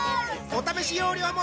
お試し容量も